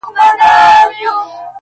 سر یې کښته ځړولی وو تنها وو٫